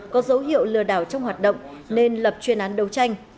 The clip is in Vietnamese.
có dấu hiệu lừa đảo trong hoạt động nên lập chuyên án đấu tranh